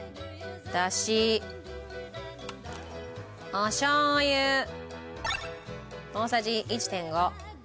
おしょう油大さじ１．５。